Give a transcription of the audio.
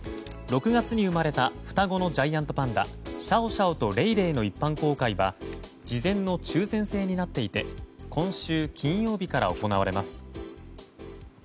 ６月に生まれた双子のジャイアントパンダシャオシャオとレイレイの一般公開は事前の抽選制になっていて今週金曜日から行われます。